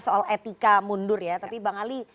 soal etika mundur ya tapi bang ali